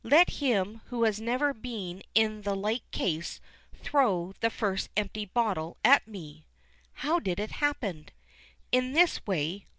Let him who has never been in the like case throw the first empty bottle at me! How did it happen? In this way.